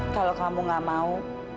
kalau kamu enggak mau